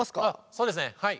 そうですねはい。